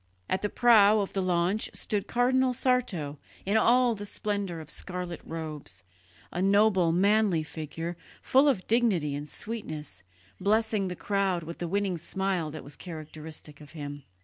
At the prow of the launch stood Cardinal Sarto in all the splendour of scarlet robes, a noble manly figure, full of dignity and sweetness, blessing the crowd with the winning smile that was characteristic of him.